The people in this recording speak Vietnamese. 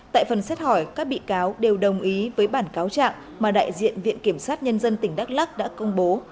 tại phần xét hỏi các bị cáo đều đồng ý với bản cáo trạng mà đại diện viện kiểm sát nhân dân tỉnh đắk lắc đã công bố